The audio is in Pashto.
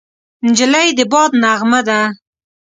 نجلۍ د باد نغمه ده.